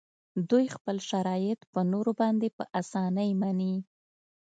دوی خپل شرایط په نورو باندې په اسانۍ مني